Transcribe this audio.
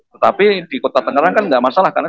tetapi di kota tangerang kan nggak masalah karena